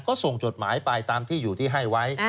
ก็ส่งจดหมายไปตามที่อยู่ที่ให้ไว้